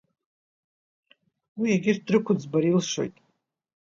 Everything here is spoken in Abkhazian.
Уи егьырҭ дрықәӡбыр илшоит…